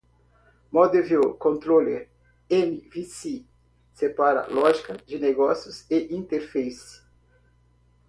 Model-View-Controller (MVC) separa lógica de negócio e interface.